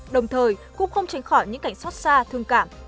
đồng thời cũng không tránh khỏi những cảnh xót xa thương cảm